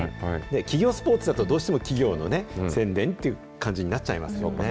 企業スポーツだと、どうしても企業のね、宣伝という感じになっちゃいますよね。